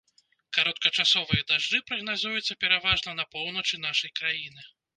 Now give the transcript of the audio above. Кароткачасовыя дажджы прагназуюцца пераважна на поўначы нашай краіны.